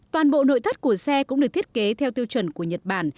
toàn bộ nội thất của xe cũng được thiết kế theo tiêu chuẩn của nhật bản